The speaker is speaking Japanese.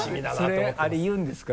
それあれ言うんですか？